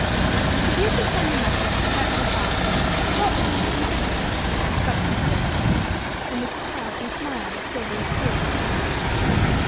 "If you could send a message to Captain Carleton what would you say?" questioned Sylvia, and Mrs. Carleton smiled at Sylvia's serious voice.